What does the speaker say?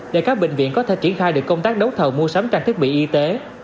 để các bệnh viện có thể triển khai được công tác đấu thầu mua sắm trang thiết bị y tế